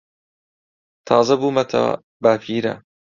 تازە بوومەتە باپیرە.